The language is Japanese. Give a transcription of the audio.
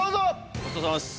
ごちそうさまです。